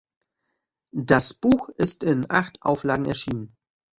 Das Buch ist in acht Auflagen erschienen.